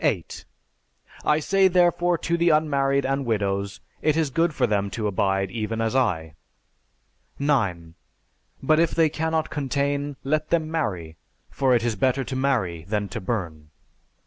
I say therefore to the unmarried and widows, it is good for them to abide even as I. 9. But if they cannot contain, let them marry: for it is better to marry than to burn.